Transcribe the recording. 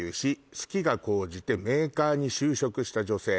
「好きが高じてメーカーに就職した女性」